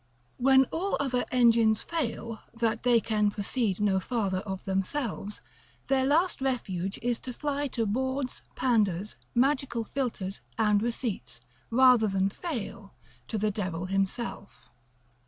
When all other engines fail, that they can proceed no farther of themselves, their last refuge is to fly to bawds, panders, magical philters, and receipts; rather than fail, to the devil himself.